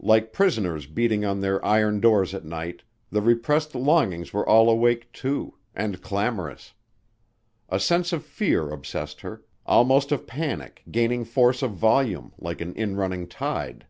Like prisoners beating on their iron doors at night, the repressed longings were all awake, too and clamorous. A sense of fear obsessed her, almost of panic gaining force of volume like an inrunning tide.